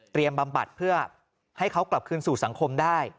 บำบัดเพื่อให้เขากลับคืนสู่สังคมได้